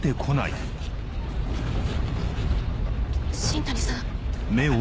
新谷さん。